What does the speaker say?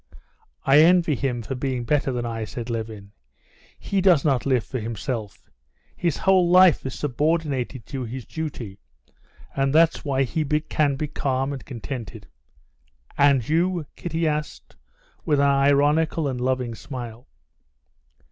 "I envy him for being better than I," said Levin. "He does not live for himself. His whole life is subordinated to his duty. And that's why he can be calm and contented." "And you?" Kitty asked, with an ironical and loving smile.